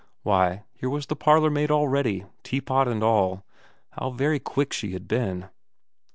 ... Why, here was the parlourmaid already, teapot and all. How very quick she had been